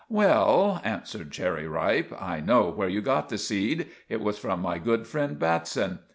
"Well," answered Cherry Ripe, "I know where you got the seed. It was from my good friend, Batson.